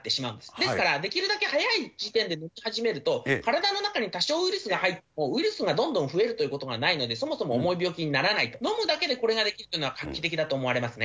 ですから、できるだけ早い段階で飲み始めると、体の中に多少ウイルスが入っても、ウイルスがどんどん増えるということがないので、そもそも重い病気にならないと。飲むだけでこれができるというのは画期的だと思われますね。